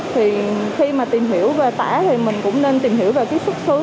thì khi mà tìm hiểu về tả thì mình cũng nên tìm hiểu về cái xuất xứ